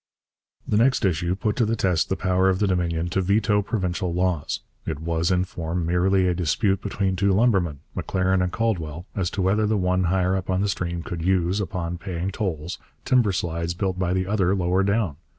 The next issue put to the test the power of the Dominion to veto provincial laws. It was, in form, merely a dispute between two lumbermen, M'Laren and Caldwell, as to whether the one higher up on the stream could use, upon paying tolls, timber slides built by the other lower down.